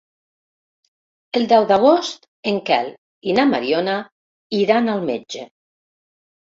El deu d'agost en Quel i na Mariona iran al metge.